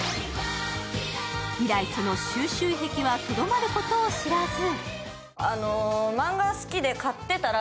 以来、その収集癖はとどまることを知らず。